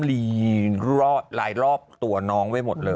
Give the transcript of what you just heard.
หลายรอบตัวน้อง